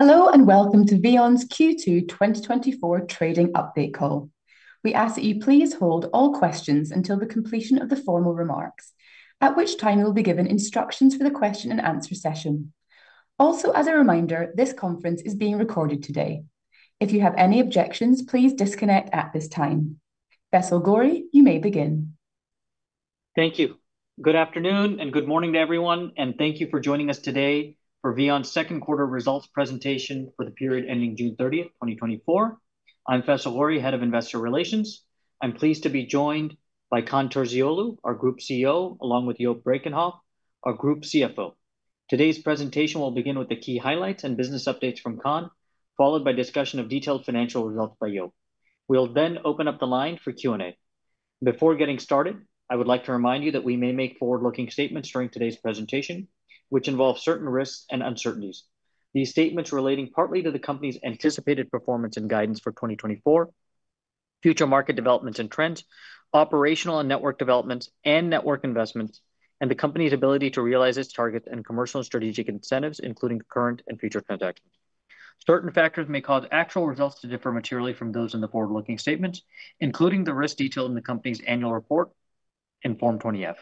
Hello and welcome to VEON's Q2 2024 trading update call. We ask that you please hold all questions until the completion of the formal remarks, at which time you will be given instructions for the question and answer session. Also, as a reminder, this conference is being recorded today. If you have any objections, please disconnect at this time. Faisal Ghori, you may begin. Thank you. Good afternoon and good morning to everyone, and thank you for joining us today for VEON's second quarter results presentation for the period ending June 30, 2024. I'm Faisal Ghori, Head of Investor Relations. I'm pleased to be joined by Kaan Terzioğlu, our Group CEO, along with Joop Brakenhoff, our Group CFO. Today's presentation will begin with the key highlights and business updates from Kaan, followed by a discussion of detailed financial results by Joop. We'll then open up the line for Q&A. Before getting started, I would like to remind you that we may make forward-looking statements during today's presentation, which involve certain risks and uncertainties. These statements relate partly to the company's anticipated performance and guidance for 2024, future market developments and trends, operational and network developments, and network investments, and the company's ability to realize its targets and commercial and strategic incentives, including current and future transactions. Certain factors may cause actual results to differ materially from those in the forward-looking statements, including the risk detailed in the company's annual report, Form 20-F,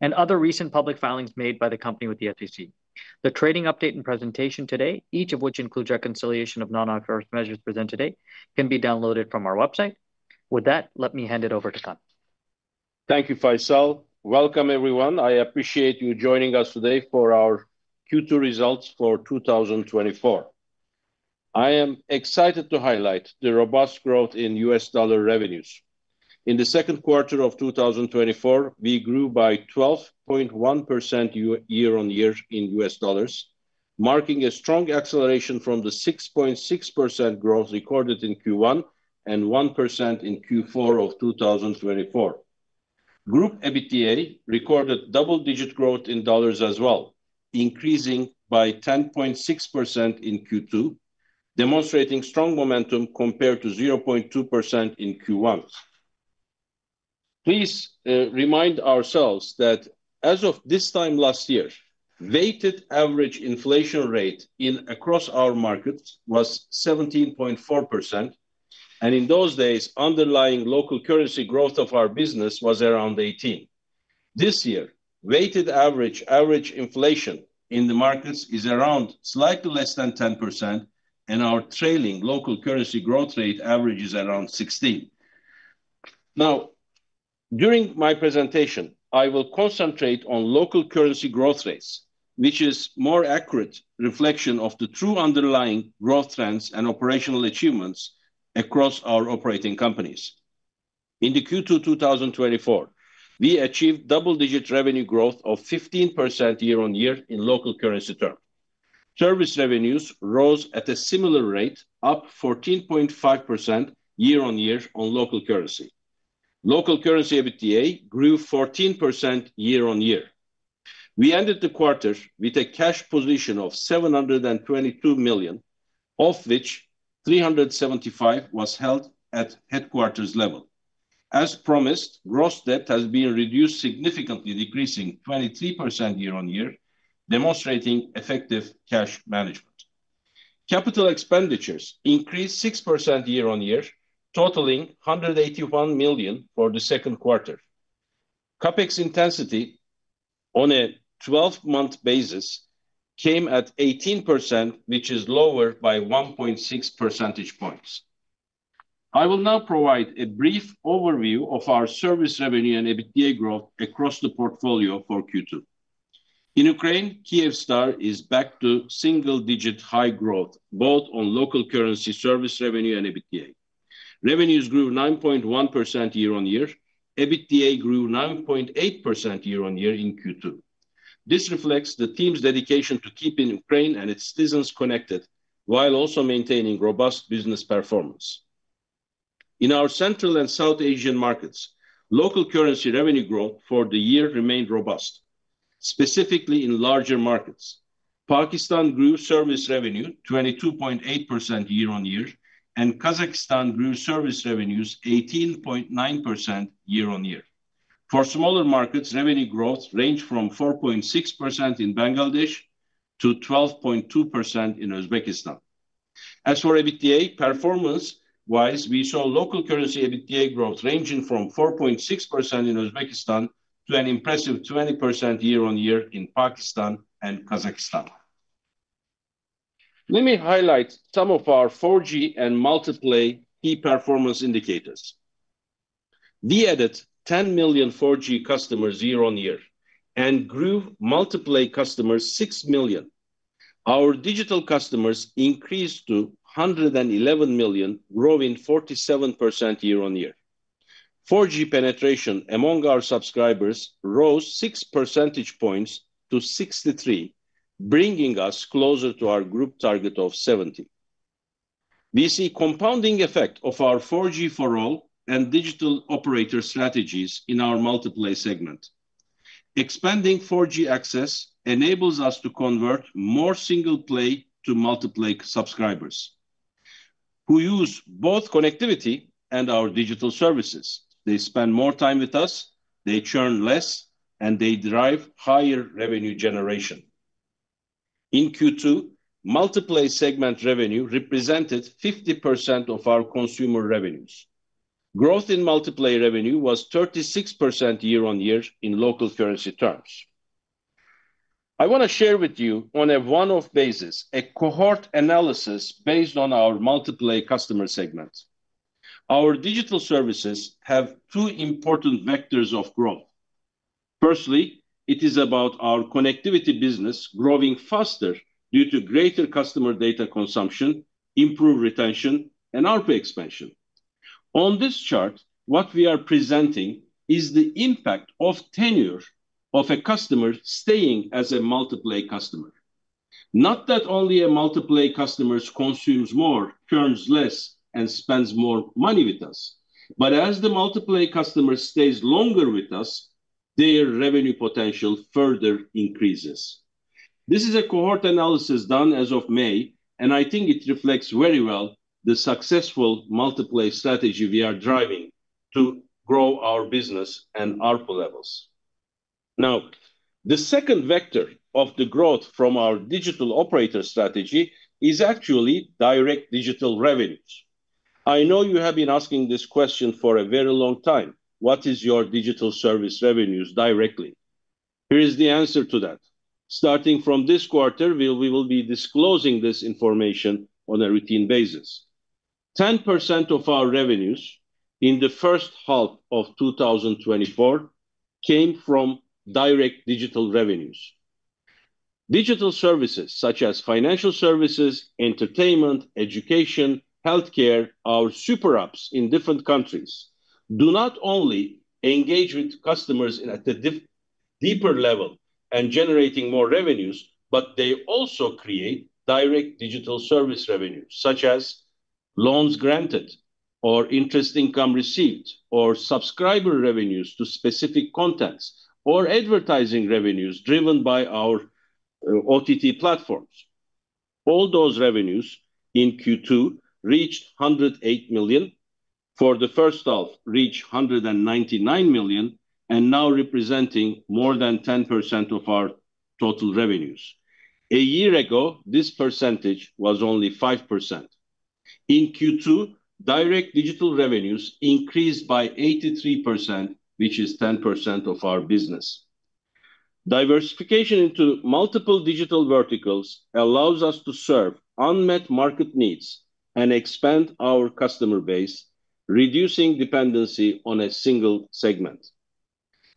and other recent public filings made by the company with the SEC. The trading update and presentation today, each of which includes reconciliation of non-GAAP measures presented today, can be downloaded from our website. With that, let me hand it over to Kaan. Thank you, Faisal. Welcome, everyone. I appreciate you joining us today for our Q2 results for 2024. I am excited to highlight the robust growth in US dollar revenues. In the second quarter of 2024, we grew by 12.1% year-on-year in US dollars, marking a strong acceleration from the 6.6% growth recorded in Q1 and 1% in Q4 of 2024. Group EBITDA recorded double-digit growth in dollars as well, increasing by 10.6% in Q2, demonstrating strong momentum compared to 0.2% in Q1. Please remind ourselves that, as of this time last year, the weighted average inflation rate across our market was 17.4%, and in those days, the underlying local currency growth of our business was around 18%. This year, the weighted average inflation in the markets is around slightly less than 10%, and our trailing local currency growth rate average is around 16%. Now, during my presentation, I will concentrate on local currency growth rates, which is a more accurate reflection of the true underlying growth trends and operational achievements across our operating companies. In Q2 2024, we achieved double-digit revenue growth of 15% year-on-year in local currency terms. Service revenues rose at a similar rate, up 14.5% year-on-year in local currency. Local currency EBITDA grew 14% year-on-year. We ended the quarter with a cash position of $722 million, of which $375 million was held at headquarters level. As promised, gross debt has been reduced significantly, decreasing 23% year-on-year, demonstrating effective cash management. Capital expenditures increased 6% year-on-year, totaling $181 million for the second quarter. CapEx intensity on a 12-month basis came at 18%, which is lower by 1.6 percentage points. I will now provide a brief overview of our service revenue and EBITDA growth across the portfolio for Q2. In Ukraine, Kyivstar is back to single-digit high growth, both on local currency service revenue and EBITDA. Revenues grew 9.1% year-on-year. EBITDA grew 9.8% year-on-year in Q2. This reflects the team's dedication to keeping Ukraine and its citizens connected while also maintaining robust business performance. In our Central and South Asian markets, local currency revenue growth for the year remained robust, specifically in larger markets. Pakistan grew service revenue 22.8% year-on-year, and Kazakhstan grew service revenues 18.9% year-on-year. For smaller markets, revenue growth ranged from 4.6% in Bangladesh to 12.2% in Uzbekistan. As for EBITDA performance-wise, we saw local currency EBITDA growth ranging from 4.6% in Uzbekistan to an impressive 20% year-on-year in Pakistan and Kazakhstan. Let me highlight some of our 4G and Multiplay key performance indicators. We added 10 million 4G customers year-on-year and grew Multiplay customers 6 million. Our digital customers increased to 111 million, growing 47% year-on-year. 4G penetration among our subscribers rose six percentage points to 63, bringing us closer to our group target of 70. We see a compounding effect of our 4G for all and digital operator strategies in our Multiplay segment. Expanding 4G access enables us to convert more single-play to Multiplay subscribers who use both connectivity and our digital services. They spend more time with us, they churn less, and they drive higher revenue generation. In Q2, Multiplay segment revenue represented 50% of our consumer revenues. Growth in Multiplay revenue was 36% year-on-year in local currency terms. I want to share with you, on a one-off basis, a cohort analysis based on our Multiplay customer segment. Our digital services have two important vectors of growth. Firstly, it is about our connectivity business growing faster due to greater customer data consumption, improved retention, and ARPU expansion. On this chart, what we are presenting is the impact of tenure of a customer staying as a Multiplay customer. Not that only a Multiplay customer consumes more, churns less, and spends more money with us, but as the Multiplay customer stays longer with us, their revenue potential further increases. This is a cohort analysis done as of May, and I think it reflects very well the successful Multiplay strategy we are driving to grow our business and ARPU levels. Now, the second vector of the growth from our digital operator strategy is actually direct digital revenues. I know you have been asking this question for a very long time. What is your digital service revenues directly? Here is the answer to that. Starting from this quarter, we will be disclosing this information on a routine basis. 10% of our revenues in the first half of 2024 came from direct digital revenues. Digital services such as financial services, entertainment, education, healthcare, our super apps in different countries do not only engage with customers at a deeper level and generate more revenues, but they also create direct digital service revenues, such as loans granted or interest income received, or subscriber revenues to specific contents, or advertising revenues driven by our OTT platforms. All those revenues in Q2 reached $108 million. For the first half, they reached $199 million, and now they are representing more than 10% of our total revenues. A year ago, this percentage was only 5%. In Q2, direct digital revenues increased by 83%, which is 10% of our business. Diversification into multiple digital verticals allows us to serve unmet market needs and expand our customer base, reducing dependency on a single segment.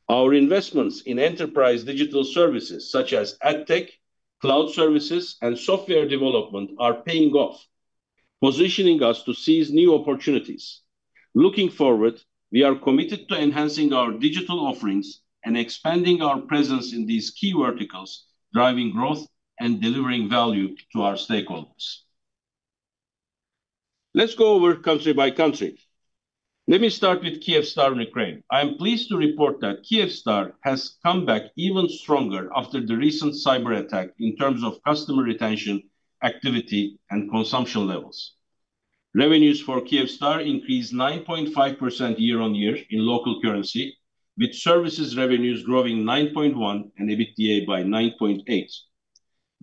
Our investments in enterprise digital services, such as AdTech, cloud services, and software development, are paying off, positioning us to seize new opportunities. Looking forward, we are committed to enhancing our digital offerings and expanding our presence in these key verticals, driving growth and delivering value to our stakeholders. Let's go over country by country. Let me start with Kyivstar in Ukraine. I am pleased to report that Kyivstar has come back even stronger after the recent cyber attack in terms of customer retention, activity, and consumption levels. Revenues for Kyivstar increased 9.5% year-on-year in local currency, with services revenues growing 9.1% and EBITDA by 9.8%.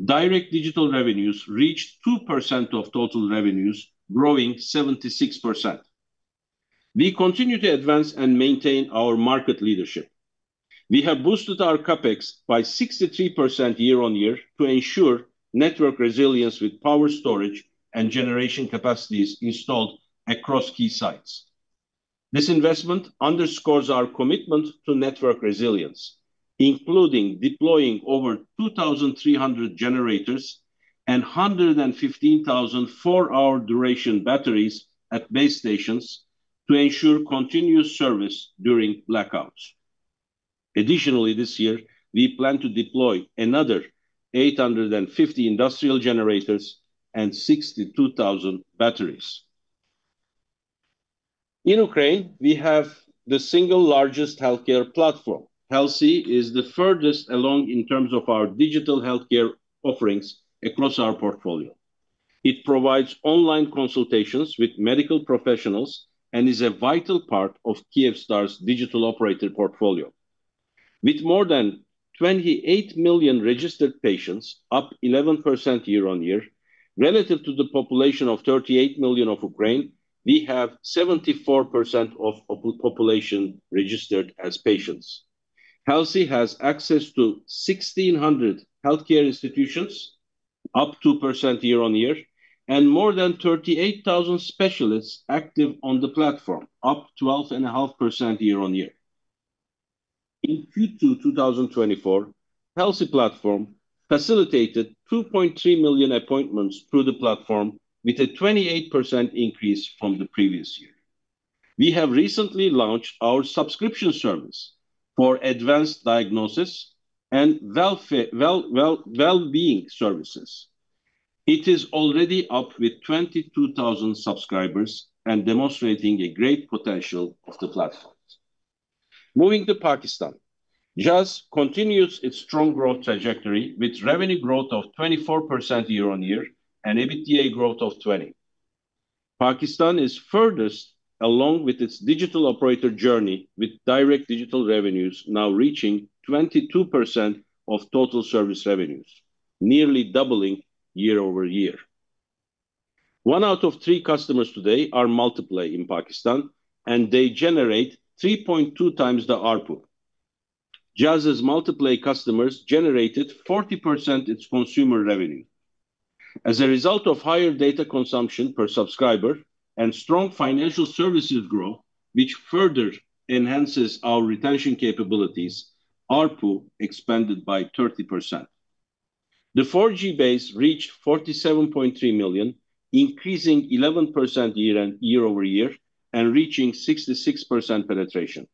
Direct digital revenues reached 2% of total revenues, growing 76%. We continue to advance and maintain our market leadership. We have boosted our CapEx by 63% year-on-year to ensure network resilience with power storage and generation capacities installed across key sites. This investment underscores our commitment to network resilience, including deploying over 2,300 generators and 115,000 4-hour duration batteries at base stations to ensure continuous service during blackouts. Additionally, this year, we plan to deploy another 850 industrial generators and 62,000 batteries. In Ukraine, we have the single largest healthcare platform. Helsi is the furthest along in terms of our digital healthcare offerings across our portfolio. It provides online consultations with medical professionals and is a vital part of Kyivstar's digital operator portfolio. With more than 28 million registered patients, up 11% year-on-year, relative to the population of 38 million of Ukraine, we have 74% of the population registered as patients. Helsi has access to 1,600 healthcare institutions, up 2% year-on-year, and more than 38,000 specialists active on the platform, up 12.5% year-on-year. In Q2 2024, the Helsi platform facilitated 2.3 million appointments through the platform, with a 28% increase from the previous year. We have recently launched our subscription service for advanced diagnosis and well-being services. It is already up with 22,000 subscribers and demonstrating the great potential of the platform. Moving to Pakistan, Jazz continues its strong growth trajectory with revenue growth of 24% year-on-year and EBITDA growth of 20%. Pakistan is furthest along with its digital operator journey, with direct digital revenues now reaching 22% of total service revenues, nearly doubling year-over-year. One out of three customers today are Multiplay in Pakistan, and they generate 3.2 times the ARPU. Jazz's Multiplay customers generated 40% of its consumer revenue. As a result of higher data consumption per subscriber and strong financial services growth, which further enhances our retention capabilities, ARPU expanded by 30%. The 4G base reached 47.3 million, increasing 11% year-over-year and reaching 66% penetration.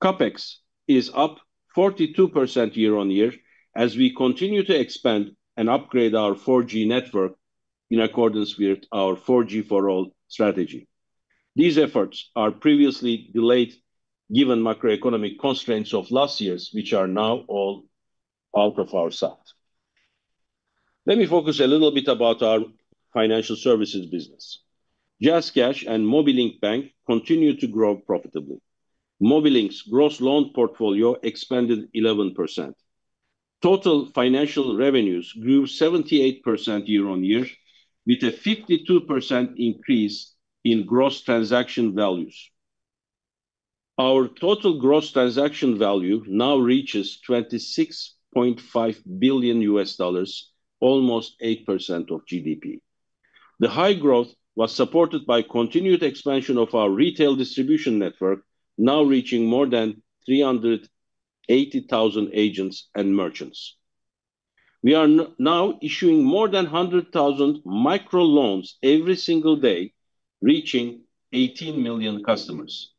CapEx is up 42% year-over-year as we continue to expand and upgrade our 4G network in accordance with our 4G for all strategy. These efforts are previously delayed given macroeconomic constraints of last year, which are now all out of our sight. Let me focus a little bit on our financial services business. JazzCash and Mobilink Bank continue to grow profitably. Mobilink's gross loan portfolio expanded 11%. Total financial revenues grew 78% year-over-year, with a 52% increase in gross transaction values. Our total gross transaction value now reaches $26.5 billion, almost 8% of GDP. The high growth was supported by continued expansion of our retail distribution network, now reaching more than 380,000 agents and merchants. We are now issuing more than 100,000 microloans every single day, reaching 18 million customers.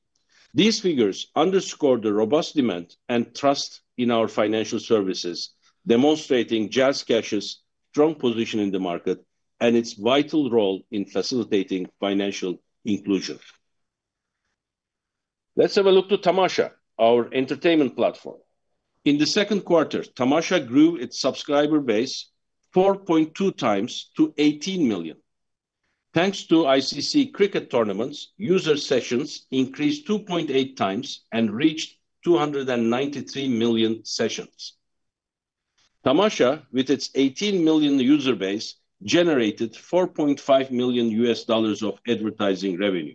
These figures underscore the robust demand and trust in our financial services, demonstrating JazzCash's strong position in the market and its vital role in facilitating financial inclusion. Let's have a look at Tamasha, our entertainment platform. In the second quarter, Tamasha grew its subscriber base 4.2 times to 18 million. Thanks to ICC cricket tournaments, user sessions increased 2.8 times and reached 293 million sessions. Tamasha, with its 18 million user base, generated $4.5 million of advertising revenue.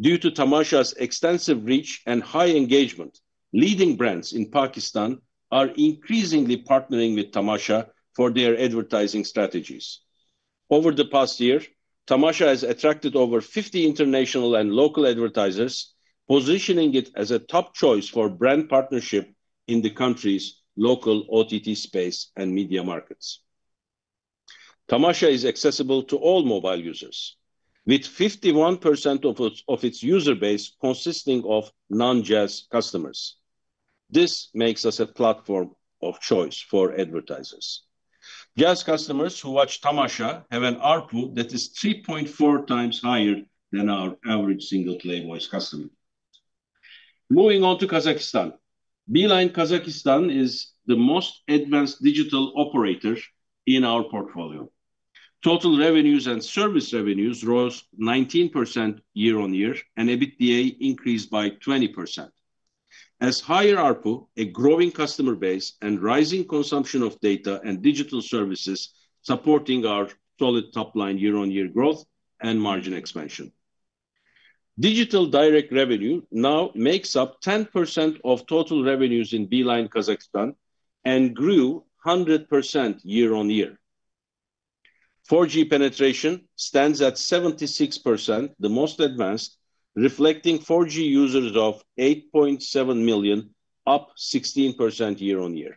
Due to Tamasha's extensive reach and high engagement, leading brands in Pakistan are increasingly partnering with Tamasha for their advertising strategies. Over the past year, Tamasha has attracted over 50 international and local advertisers, positioning it as a top choice for brand partnership in the country's local OTT space and media markets. Tamasha is accessible to all mobile users, with 51% of its user base consisting of non-Jazz customers. This makes us a platform of choice for advertisers. Jazz customers who watch Tamasha have an ARPU that is 3.4x higher than our average single-play voice customer. Moving on to Kazakhstan, Beeline Kazakhstan is the most advanced digital operator in our portfolio. Total revenues and service revenues rose 19% year-on-year, and EBITDA increased by 20%. As higher ARPU, a growing customer base, and rising consumption of data and digital services support our solid top-line year-on-year growth and margin expansion. Digital direct revenue now makes up 10% of total revenues in Beeline Kazakhstan and grew 100% year-on-year. 4G penetration stands at 76%, the most advanced, reflecting 4G users of 8.7 million, up 16% year-on-year.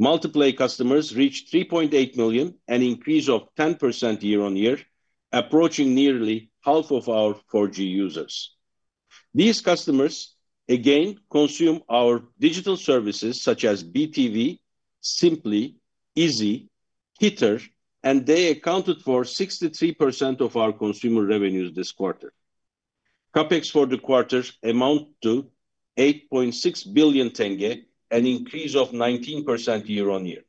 Multiplay customers reached 3.8 million, an increase of 10% year-on-year, approaching nearly half of our 4G users. These customers again consume our digital services such as BeeTV, Simply, Izi, hitter, and they accounted for 63% of our consumer revenues this quarter. CapEx for the quarter amounts to KZT 8.6 billion, an increase of 19% year-on-year.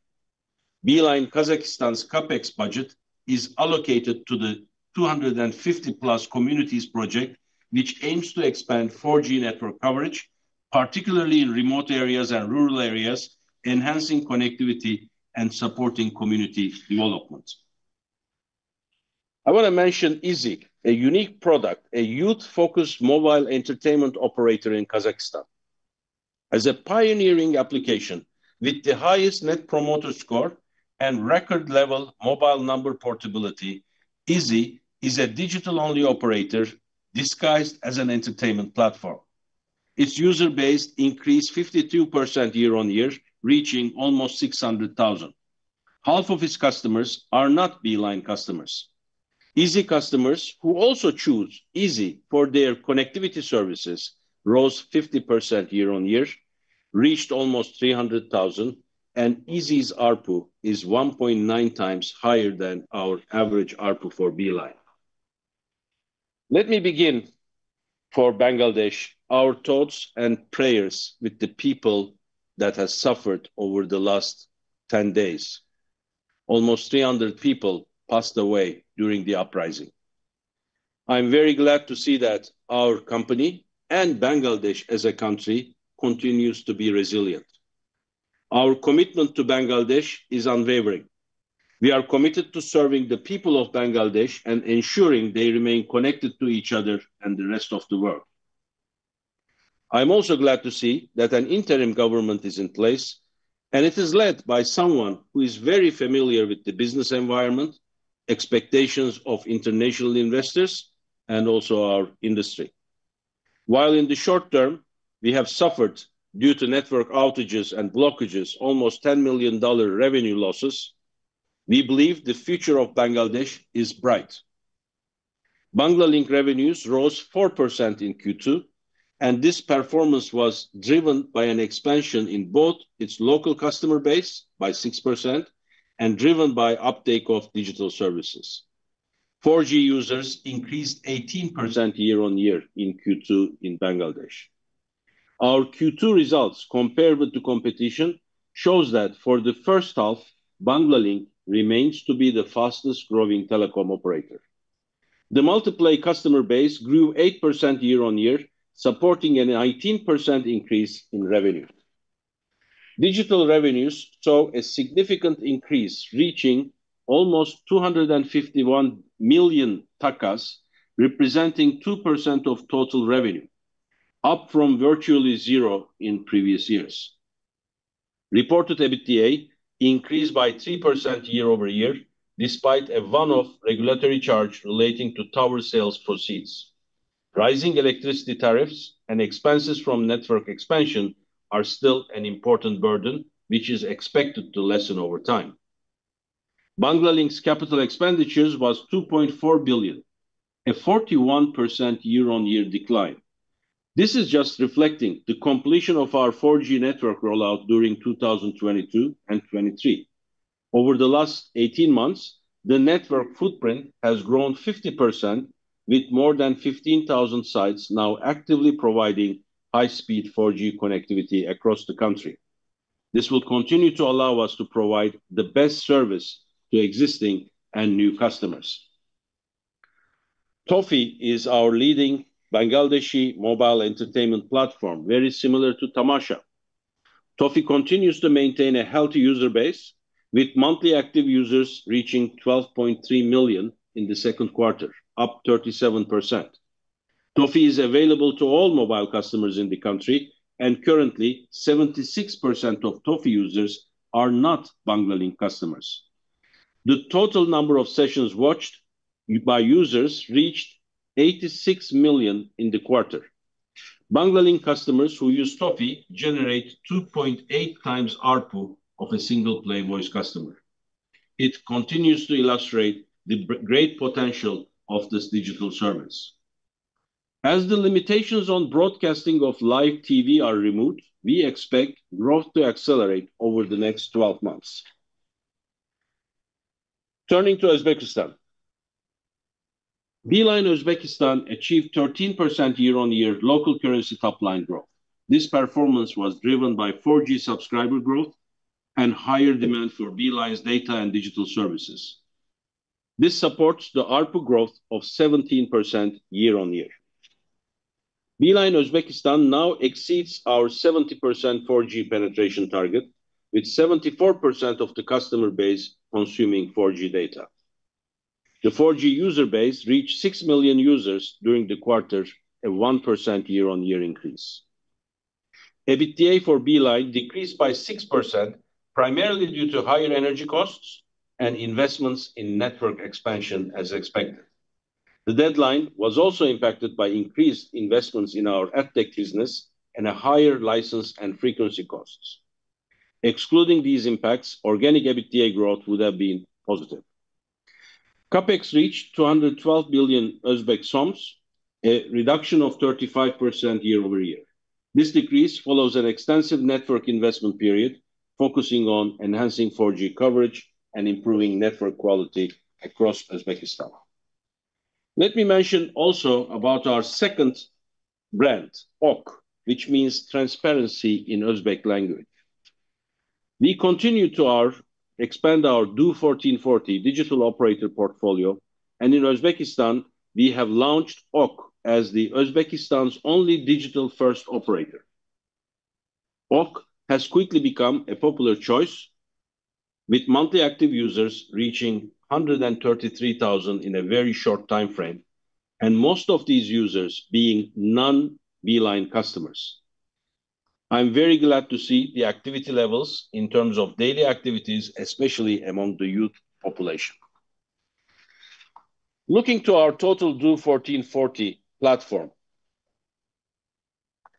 Beeline Kazakhstan's CapEx budget is allocated to the 250+ Communities project, which aims to expand 4G network coverage, particularly in remote areas and rural areas, enhancing connectivity and supporting community development. I want to mention Izi, a unique product, a youth-focused mobile entertainment operator in Kazakhstan. As a pioneering application with the highest net promoter score and record-level mobile number portability, Izi is a digital-only operator disguised as an entertainment platform. Its user base increased 52% year-over-year, reaching almost 600,000. Half of its customers are not Beeline customers. Izi customers who also choose Izi for their connectivity services rose 50% year-over-year, reached almost 300,000, and Izi's ARPU is 1.9x higher than our average ARPU for Beeline. Let me begin for Bangladesh our thoughts and prayers with the people that have suffered over the last 10 days. Almost 300 people passed away during the uprising. I am very glad to see that our company and Bangladesh as a country continues to be resilient. Our commitment to Bangladesh is unwavering. We are committed to serving the people of Bangladesh and ensuring they remain connected to each other and the rest of the world. I am also glad to see that an interim government is in place, and it is led by someone who is very familiar with the business environment, expectations of international investors, and also our industry. While in the short term we have suffered due to network outages and blockages, almost $10 million revenue losses, we believe the future of Bangladesh is bright. Banglalink revenues rose 4% in Q2, and this performance was driven by an expansion in both its local customer base by 6% and driven by uptake of digital services. 4G users increased 18% year-on-year in Q2 in Bangladesh. Our Q2 results compared with the competition show that for the first half, Banglalink remains to be the fastest-growing telecom operator. The Multiplay customer base grew 8% year-on-year, supporting an 18% increase in revenue. Digital revenues saw a significant increase reaching almost BDT 251 million, representing 2% of total revenue, up from virtually zero in previous years. Reported EBITDA increased by 3% year-over-year despite a one-off regulatory charge relating to tower sales proceeds. Rising electricity tariffs and expenses from network expansion are still an important burden, which is expected to lessen over time. Banglalink's capital expenditures were BDT 2.4 billion, a 41% year-on-year decline. This is just reflecting the completion of our 4G network rollout during 2022 and 2023. Over the last 18 months, the network footprint has grown 50%, with more than 15,000 sites now actively providing high-speed 4G connectivity across the country. This will continue to allow us to provide the best service to existing and new customers. Toffee is our leading Bangladeshi mobile entertainment platform, very similar to Tamasha. Toffee continues to maintain a Helsi user base, with monthly active users reaching 12.3 million in the second quarter, up 37%. Toffee is available to all mobile customers in the country, and currently, 76% of Toffee users are not Banglalink customers. The total number of sessions watched by users reached 86 million in the quarter. Banglalink customers who use Toffee generate 2.8x the ARPU of a single-play voice customer. It continues to illustrate the great potential of this digital service. As the limitations on broadcasting of live TV are removed, we expect growth to accelerate over the next 12 months. Turning to Uzbekistan, Beeline Uzbekistan achieved 13% year-on-year local currency top-line growth. This performance was driven by 4G subscriber growth and higher demand for Beeline's data and digital services. This supports the ARPU growth of 17% year-on-year. Beeline Uzbekistan now exceeds our 70% 4G penetration target, with 74% of the customer base consuming 4G data. The 4G user base reached 6 million users during the quarter, a 1% year-on-year increase. EBITDA for Beeline decreased by 6%, primarily due to higher energy costs and investments in network expansion, as expected. The EBITDA was also impacted by increased investments in our AdTech business and higher license and frequency costs. Excluding these impacts, organic EBITDA growth would have been positive. CapEx reached UZS 212 billion, a reduction of 35% year-over-year. This decrease follows an extensive network investment period, focusing on enhancing 4G coverage and improving network quality across Uzbekistan. Let me mention also about our second brand, OQ, which means transparency in Uzbek language. We continue to expand our DO1440 digital operator portfolio, and in Uzbekistan, we have launched OQ as Uzbekistan's only digital-first operator. OQ has quickly become a popular choice, with monthly active users reaching 133,000 in a very short time frame, and most of these users being non-Beeline customers. I am very glad to see the activity levels in terms of daily activities, especially among the youth population. Looking to our total DO1440 platform,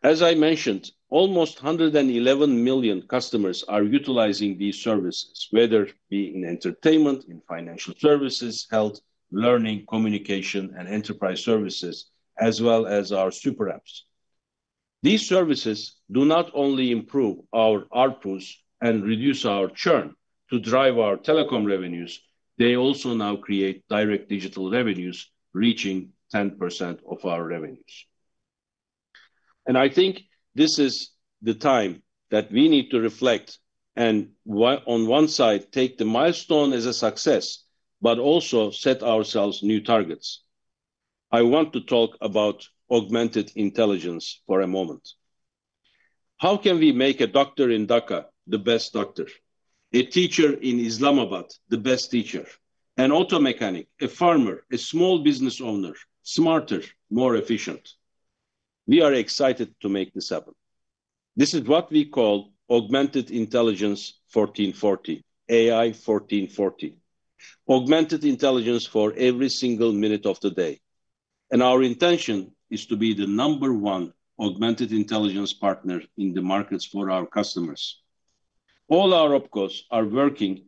as I mentioned, almost 111 million customers are utilizing these services, whether be in entertainment, in financial services, health, learning, communication, and enterprise services, as well as our super apps. These services do not only improve our ARPUs and reduce our churn to drive our telecom revenues. They also now create direct digital revenues reaching 10% of our revenues. I think this is the time that we need to reflect and, on one side, take the milestone as a success, but also set ourselves new targets. I want to talk about augmented intelligence for a moment. How can we make a doctor in Dhaka the best doctor, a teacher in Islamabad the best teacher, an auto mechanic, a farmer, a small business owner smarter, more efficient? We are excited to make this happen. This is what we call Augmented Intelligence 1440, AI1440, augmented intelligence for every single minute of the day. Our intention is to be the number one augmented intelligence partner in the markets for our customers. All our OpCoss are working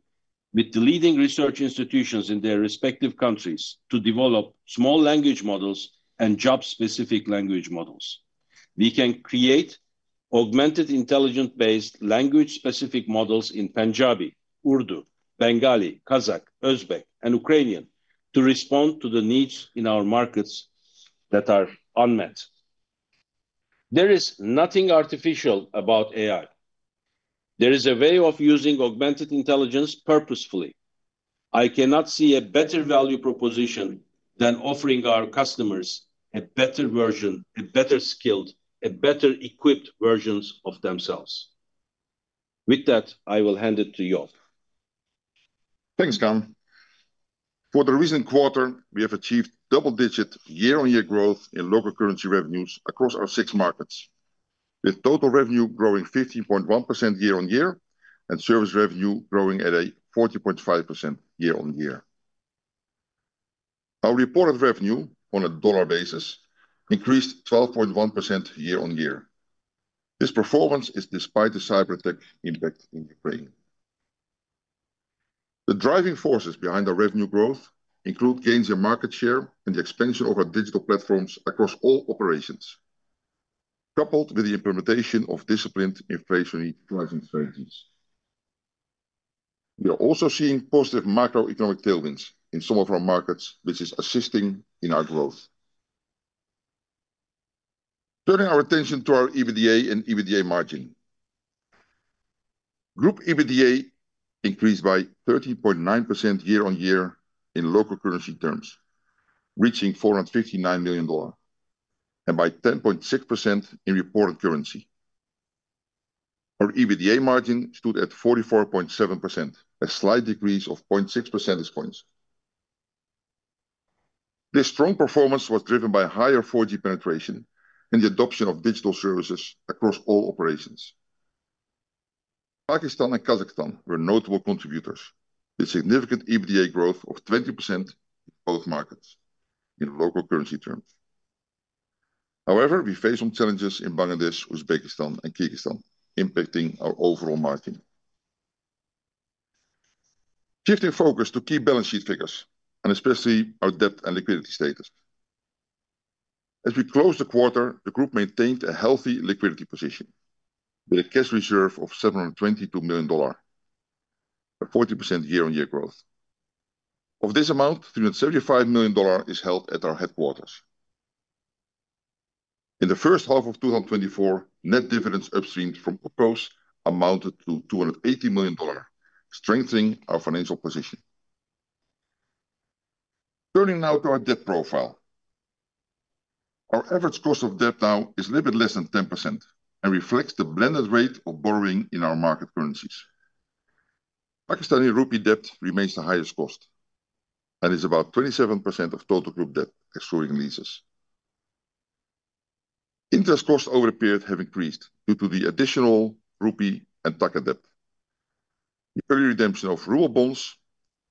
with the leading research institutions in their respective countries to develop small language models and job-specific language models. We can create augmented intelligence-based language-specific models in Punjabi, Urdu, Bengali, Kazakh, Uzbek, and Ukrainian to respond to the needs in our markets that are unmet. There is nothing artificial about AI. There is a way of using augmented intelligence purposefully. I cannot see a better value proposition than offering our customers a better version, a better skilled, a better equipped versions of themselves. With that, I will hand it to Joop. Thanks, Kaan. For the recent quarter, we have achieved double-digit year-on-year growth in local currency revenues across our six markets, with total revenue growing 15.1% year-on-year and service revenue growing at a 40.5% year-on-year. Our reported revenue on a dollar basis increased 12.1% year-on-year. This performance is despite the cyber-tech impact in Ukraine. The driving forces behind our revenue growth include gains in market share and the expansion of our digital platforms across all operations, coupled with the implementation of disciplined inflationary pricing strategies. We are also seeing positive macroeconomic tailwinds in some of our markets, which is assisting in our growth. Turning our attention to our EBITDA and EBITDA margin, Group EBITDA increased by 13.9% year-on-year in local currency terms, reaching $459 million, and by 10.6% in reported currency. Our EBITDA margin stood at 44.7%, a slight decrease of 0.6 percentage points. This strong performance was driven by higher 4G penetration and the adoption of digital services across all operations. Pakistan and Kazakhstan were notable contributors with significant EBITDA growth of 20% in both markets in local currency terms. However, we face some challenges in Bangladesh, Uzbekistan, and Kyrgyzstan, impacting our overall margin. Shifting focus to key balance sheet figures, and especially our debt and liquidity status. As we closed the quarter, the Group maintained a Helsi liquidity position with a cash reserve of $722 million, a 40% year-on-year growth. Of this amount, $375 million is held at our headquarters. In the first half of 2024, net dividends upstream from OpCos amounted to $280 million, strengthening our financial position. Turning now to our debt profile, our average cost of debt now is a little bit less than 10% and reflects the blended rate of borrowing in our market currencies. Pakistani Rupee debt remains the highest cost and is about 27% of total group debt, excluding leases. Interest costs over the period have increased due to the additional Rupee and Taka debt, the early redemption of ruble bonds,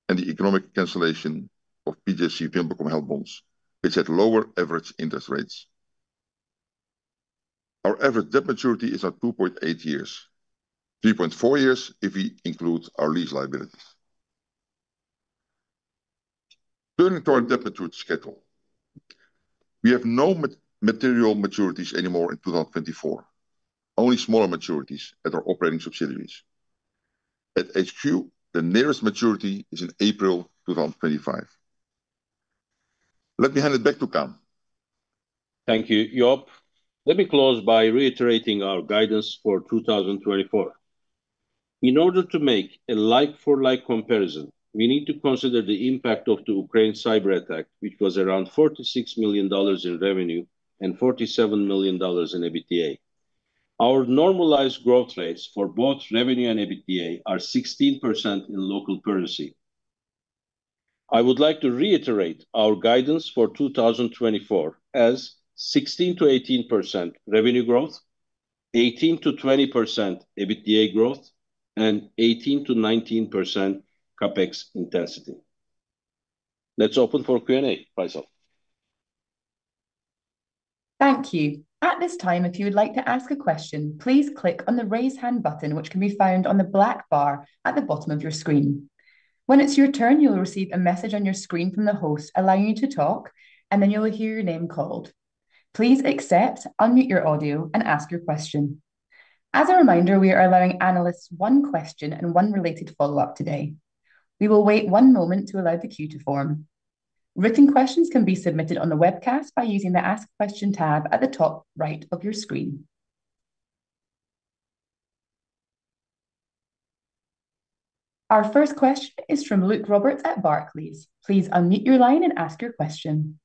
and the economic cancellation of PJSC VimpelCom bonds, which had lower average interest rates. Our average debt maturity is at 2.8 years, 3.4 years if we include our lease liabilities. Turning to our debt maturity schedule, we have no material maturities anymore in 2024, only smaller maturities at our operating subsidiaries. At HQ, the nearest maturity is in April 2025. Let me hand it back to Kaan. Thank you, Joop. Let me close by reiterating our guidance for 2024. In order to make a like-for-like comparison, we need to consider the impact of the Ukraine cyber attack, which was around $46 million in revenue and $47 million in EBITDA. Our normalized growth rates for both revenue and EBITDA are 16% in local currency. I would like to reiterate our guidance for 2024 as 16%-18% revenue growth, 18%-20% EBITDA growth, and 18%-19% CapEx intensity. Let's open for Q&A, Faisal. Thank you. At this time, if you would like to ask a question, please click on the raise hand button, which can be found on the black bar at the bottom of your screen. When it's your turn, you'll receive a message on your screen from the host allowing you to talk, and then you'll hear your name called. Please accept, unmute your audio, and ask your question. As a reminder, we are allowing analysts one question and one related follow-up today. We will wait one moment to allow the queue to form. Written questions can be submitted on the webcast by using the Ask Question tab at the top right of your screen. Our first question is from Luke Roberts at Barclays. Please unmute your line and ask your question.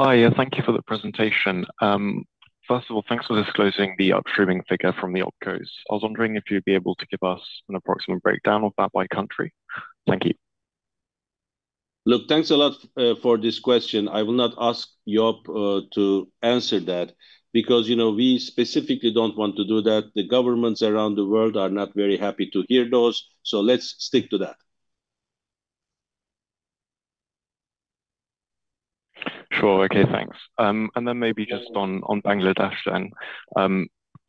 Hi, yeah, thank you for the presentation. First of all, thanks for disclosing the upstreaming figure from the OpCos. I was wondering if you'd be able to give us an approximate breakdown of that by country. Thank you. Look, thanks a lot for this question. I will not ask Joop to answer that because, you know, we specifically don't want to do that. The governments around the world are not very happy to hear those, so let's stick to that. Sure, okay, thanks. And then maybe just on Bangladesh then,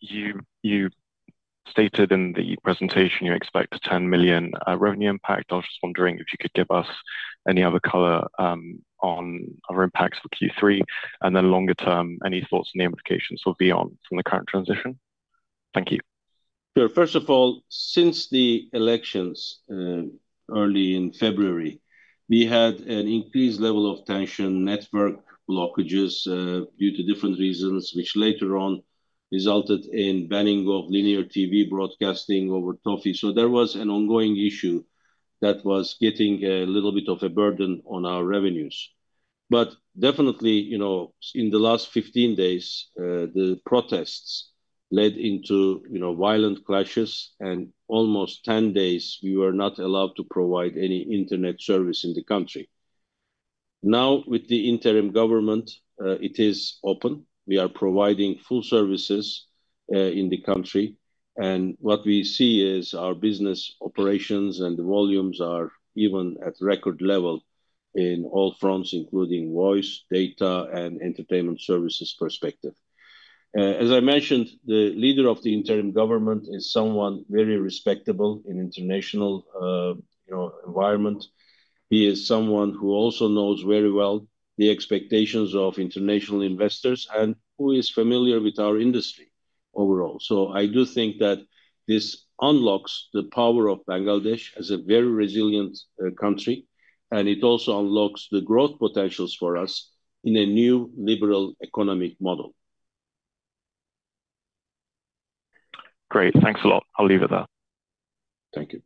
you stated in the presentation you expect a $10 million revenue impact. I was just wondering if you could give us any other color on other impacts for Q3, and then longer term, any thoughts on the implications for VEON from the current transition. Thank you. Sure, first of all, since the elections early in February, we had an increased level of tension, network blockages due to different reasons, which later on resulted in banning of linear TV broadcasting over Toffee. So there was an ongoing issue that was getting a little bit of a burden on our revenues. But definitely, you know, in the last 15 days, the protests led into, you know, violent clashes, and almost 10 days we were not allowed to provide any internet service in the country. Now, with the interim government, it is open. We are providing full services in the country, and what we see is our business operations and the volumes are even at record level in all fronts, including voice, data, and entertainment services perspective. As I mentioned, the leader of the interim government is someone very respectable in international, you know, environment. He is someone who also knows very well the expectations of international investors and who is familiar with our industry overall. So I do think that this unlocks the power of Bangladesh as a very resilient country, and it also unlocks the growth potentials for us in a new liberal economic model. Great, thanks a lot. I'll leave it there. Thank you.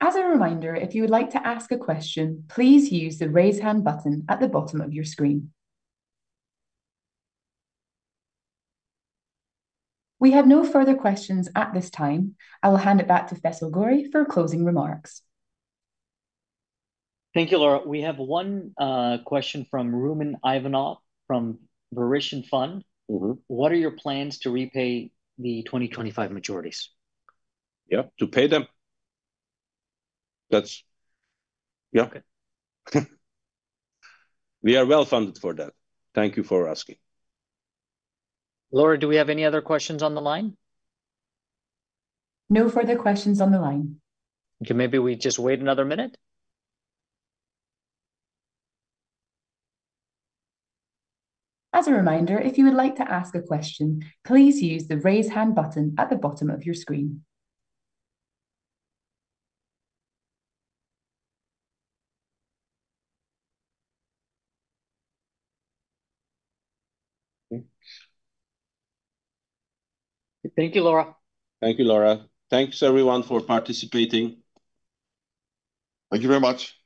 As a reminder, if you would like to ask a question, please use the raise hand button at the bottom of your screen. We have no further questions at this time. I will hand it back to Faisal Ghori for closing remarks. Thank you, Laura. We have one question from Rumen Ivanov from Verition Fund. What are your plans to repay the 2025 maturities? Yeah, to pay them. That's, yeah. Okay. We are well funded for that. Thank you for asking. Laura, do we have any other questions on the line? No further questions on the line. Okay, maybe we just wait another minute. As a reminder, if you would like to ask a question, please use the raise hand button at the bottom of your screen. Thank you, Laura. Thank you, Laura. Thanks everyone for participating. Thank you very much.